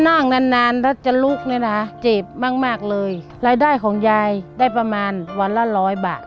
นั่งนานนานแล้วจะลุกเนี่ยนะคะเจ็บมากมากเลยรายได้ของยายได้ประมาณวันละร้อยบาท